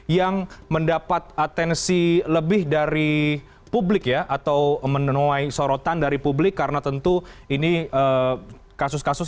yang mendapat atensi lebih dari publik ya atau menenuai sorotan dari publik karena tentu ini kasus kasus